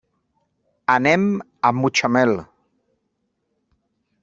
Anem a Mutxamel.